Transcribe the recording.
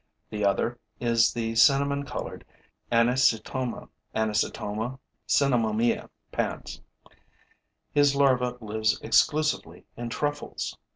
The other is the cinnamon colored Anisotoma (Anisotoma cinnamomea, PANZ.). His larva lives exclusively in truffles.